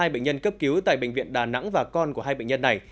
hai bệnh nhân cấp cứu tại bệnh viện đà nẵng và con của hai bệnh nhân này